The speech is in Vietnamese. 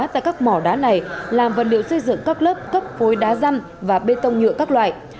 tại các mỏ đá này làm vật liệu xây dựng các lớp cấp phối đá răm và bê tông nhựa các loại